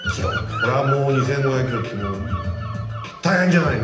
それはもう２，５００ｋｍって大変じゃないの？